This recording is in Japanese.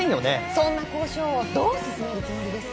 そんな交渉をどう進めるつもりですか？